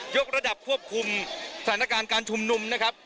กระดับควบคุมสถานการณ์การชุมนุมนะครับ